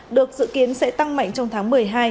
được dự kiến sẽ tăng mạnh trong tháng một mươi hai